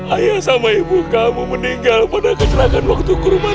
ayah sama ibu kamu meninggal pada kecelakaan waktu kurban